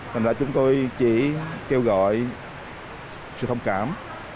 thành ra chúng tôi chỉ kêu gọi sự thông cảm